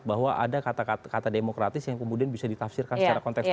bahwa ada kata kata demokratis yang kemudian bisa ditafsirkan secara konteksual